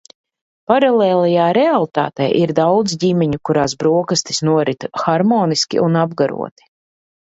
Paralēlajā realitātē ir daudz ģimeņu, kurās brokastis norit harmoniski un apgaroti!